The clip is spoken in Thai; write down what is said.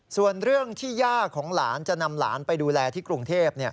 ส่วนเรื่องที่ย่าของหลานจะนำหลานไปดูแลที่กรุงเทพ